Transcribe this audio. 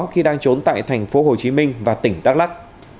khi đang trốn tại thành phố hồ chí minh và tỉnh đắk lắc